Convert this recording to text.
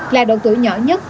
là độ tuổi nhỏ nhất